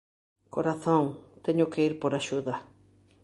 Corazón, teño que ir por axuda.